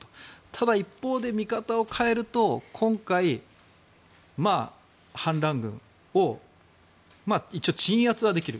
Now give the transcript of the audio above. ただ一方で見方を変えると今回、反乱軍を一応鎮圧はできる。